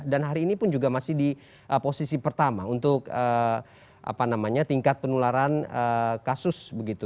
dan hari ini pun juga masih di posisi pertama untuk tingkat penularan kasus